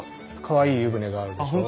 かわいい湯船があるでしょ。